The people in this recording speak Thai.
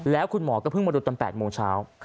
แล้วคุณหมอก็เพิ่งมาดูตอน๘โมงเช้า